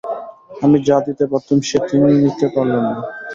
আমি যা দিতে পারতুম সে তিনি নিতে পারলেন না।